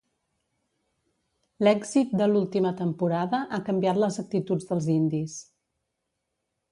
L"èxit de l"última temporada ha canviat les actituds dels indis.